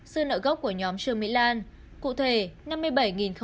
sư nợ gốc của nhóm trường mỹ lan